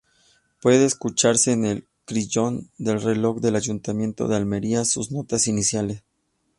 Puede escucharse en el carillón del reloj del Ayuntamiento de Almería sus notas iniciales.